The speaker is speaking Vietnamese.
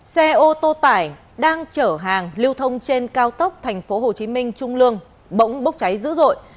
xe ô tô tải đang chở hàng lưu thông trên cao tốc thành phố hồ chí minh trung lương bỗng bốc cháy dữ dội